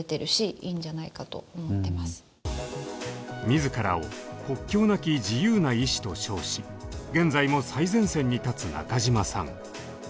自らを「国境なき自由な医師」と称し現在も最前線に立つ中嶋さん。